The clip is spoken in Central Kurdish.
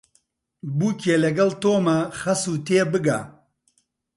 بووکێ لەگەڵ تۆمە خەسوو تێبگە